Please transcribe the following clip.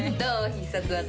必殺技。